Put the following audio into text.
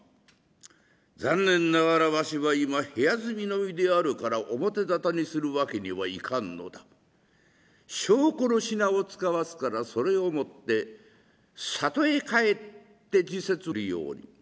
残念ながらわしは今部屋住の身であるから表沙汰にするわけにはいかぬのだ。証拠の品を遣わすからそれを持って里へ帰って時節を待ってくれるように」。